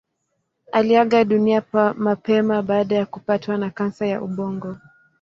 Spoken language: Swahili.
Aliaga dunia mapema baada ya kupatwa na kansa ya ubongo.